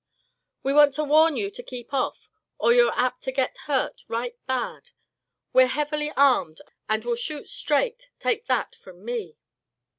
"We want to warn you to keep off, or you're apt to get hurt right bad. We're heavily armed, and will shoot straight, take that from me."